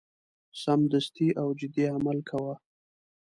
سمدستي او جدي عمل کاوه.